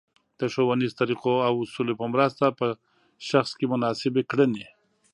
د ښونیزو طریقو او اصولو په مرسته په شخص کې مناسبې کړنې